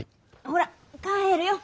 ほら帰るよ。